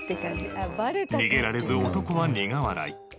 逃げられず男は苦笑い。